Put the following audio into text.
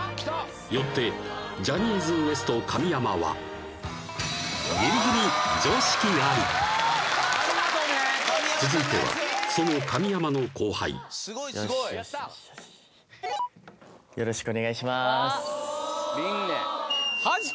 よってジャニーズＷＥＳＴ神山はギリギリ常識あり続いてはその神山の後輩よしよしよしよしよろしくお願いしまーす琳寧